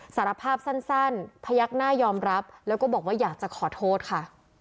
สารภาพสั้นพยักหน้ายอมรับแล้วก็บอกว่าอยากจะขอโทษค่ะ